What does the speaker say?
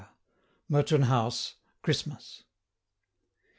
Mertoun House, Christmas.